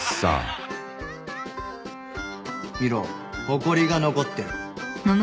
ほこりが残ってる